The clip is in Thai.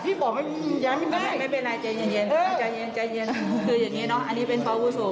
ทีจะถ่ายบัตรให้นะคะเราจะต้องช่วยสูตรให้เด้ยชัดกอด